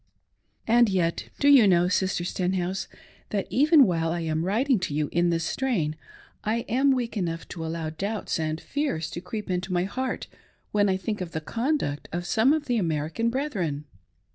And yet do you know. Sister Stenhouse, that even while I am writing to you in this strain, I am weak enough to allow doubts and fears to creep into my heart when I think of the conduct of some of the American brethren.